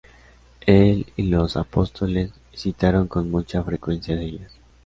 El y los Apóstoles citaron con mucha frecuencia de ellas.